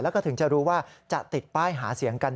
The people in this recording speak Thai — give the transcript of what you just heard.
แล้วก็ถึงจะรู้ว่าจะติดป้ายหาเสียงกัน